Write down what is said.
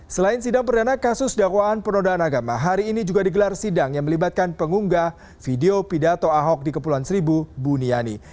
selain sidang perdana kasus dakwaan penodaan agama hari ini juga digelar sidang yang melibatkan pengunggah video pidato ahok di kepulauan seribu buniani